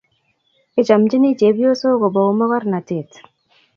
Kichomchini chepyosok kobou mokornatet